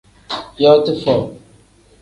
Yooti foo.